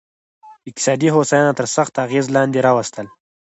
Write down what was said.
اقتصادي هوساینه تر سخت اغېز لاندې راوستل.